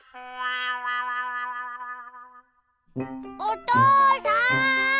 おとうさん！